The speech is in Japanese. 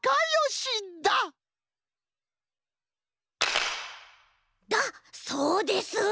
だそうです。